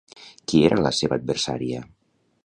Qui era la seva adversària?